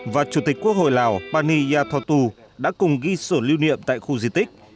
và chủ tịch quốc hội lào pani yathotu đã cùng ghi sổ lưu niệm tại khu di tích